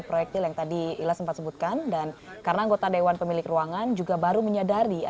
produser lapangan cnn indonesia jimmy chandra